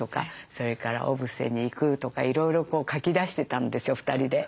それから小布施に行くとかいろいろこう書き出してたんですよ２人で。